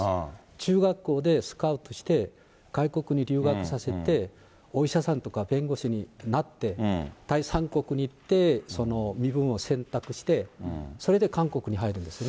中学校でスカウトして、外国に留学させて、お医者さんとか弁護士になって、第三国に行って身分を選択して、それで韓国に入るんですね。